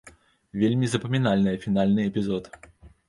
Вельмі запамінальная фінальны эпізод.